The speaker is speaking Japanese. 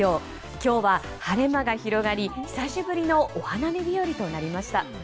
今日は晴れ間が広がり久しぶりのお花見日和となりました。